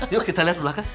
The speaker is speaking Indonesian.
yuk kita lihat belakang